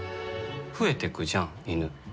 増えてくじゃん、犬。